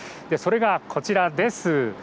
それが、こちらです。